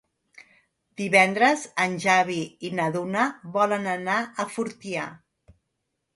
Divendres en Xavi i na Duna volen anar a Fortià.